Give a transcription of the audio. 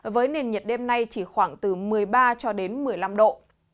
với nền nhiệt đêm nay chỉ khoảng từ một mươi ba cho đến một mươi năm độ